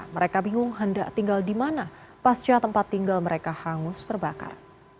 mereka bingung hendak tinggal di mana pasca tempat tinggal mereka hangus terbakar